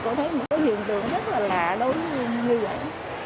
tôi thấy một cái hiện tượng rất là lạ đối với như vậy